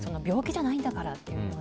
病気じゃないんだから。